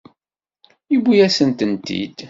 Yewwi-yasent-t-id.